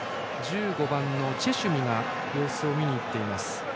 １５番のチェシュミが様子を見に行っています。